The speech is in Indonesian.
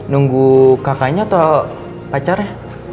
nunggu kakaknya atau pacarnya